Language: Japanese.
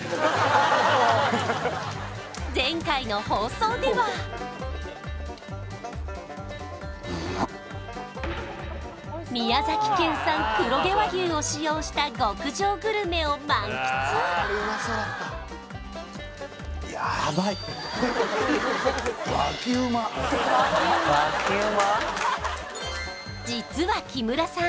前回の放送ではを使用した極上グルメを満喫実は木村さん